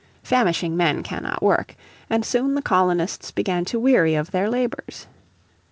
Famishing men cannot work, and soon the colonists began to weary of their labours.